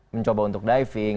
mencoba untuk diving